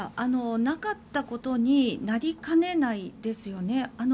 なかったことになりかねないですよね。